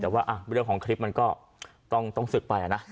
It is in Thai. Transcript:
แต่ว่าเรื่องของคลิปมันก็ต้องศึกไปนะ